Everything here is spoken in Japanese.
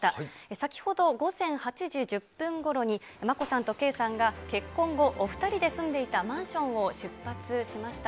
先ほど午前８時１０分ごろに眞子さんと圭さんが結婚後お２人で住んでいたマンションを出発しました。